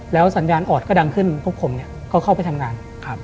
สัญญาณออดก็ดังขึ้นพวกผมก็เข้าไปทำงาน